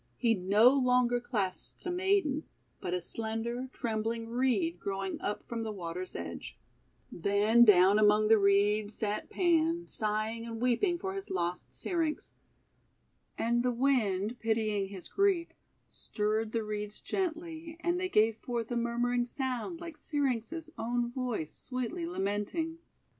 He no longer clasped a maiden, but a slender, trembling Reed growing up from the water's edge. Then down among the Reeds sat Pan, sighing and weeping for his lost Syrinx. And the Wind, pitying his grief, stirred the Reeds gently, and they gave forth a murmuring sound like Syrinx' own voice sweetly lamenting.